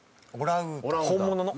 本物の。